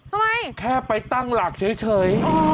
ทำไมแค่ไปตั้งหลักเฉย